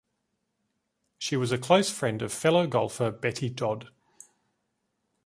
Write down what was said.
She was a close friend of fellow golfer Betty Dodd.